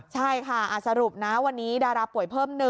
ใช่ค่ะสรุปนะวันนี้ดาราป่วยเพิ่ม๑